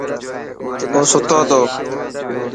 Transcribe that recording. اوستو تو.